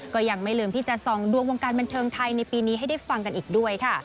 ก็ยังไม่ลืมที่จะส่องดวงวงการบันเทิงไทยในปีนี้ให้ได้ฟังกันอีกด้วยค่ะ